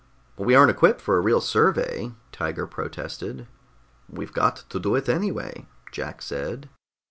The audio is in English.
"But we aren't equipped for a real survey," Tiger protested. "We've got to do it anyway," Jack said.